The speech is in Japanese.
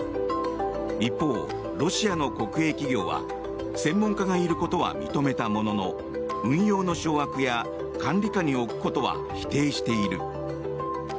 一方、ロシアの国営企業は専門家がいることは認めたものの運用の掌握や管理下に置くことは否定している。